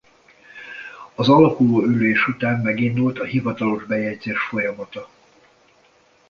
Az alakuló ülés után megindult a hivatalos bejegyzés folyamata.